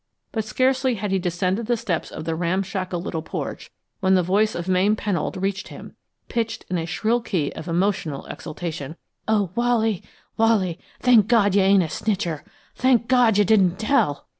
But scarcely had he descended the steps of the ramshackle little porch when the voice of Mame Pennold reached him, pitched in a shrill key of emotional exultation. "Oh, Wally, Wally! Thank God you ain't a snitcher! Thank God you didn't tell!"